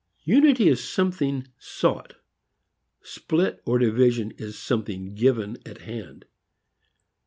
Unity is something sought; split, division is something given, at hand.